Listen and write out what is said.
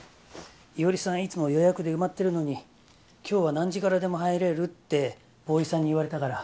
伊織さんいつも予約で埋まってるのに今日は何時からでも入れるってボーイさんに言われたから。